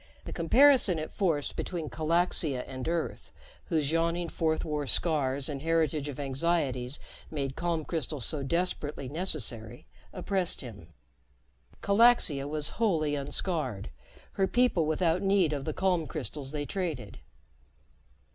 The comparison it forced between Calaxia and Earth, whose yawning Fourth War scars and heritage of anxieties made calm crystals so desperately necessary, oppressed him. Calaxia was wholly unscarred, her people without need of the calm crystals they traded.